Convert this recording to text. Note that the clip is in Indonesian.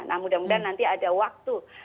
nah mudah mudahan nanti ada waktu